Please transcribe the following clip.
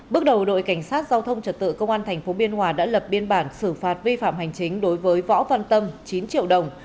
bước đầu đội cảnh sát giao thông trật tự công an tp biên hòa đã lập biên bản xử phạt vi phạm hành chính đối với võ văn tâm chín triệu đồng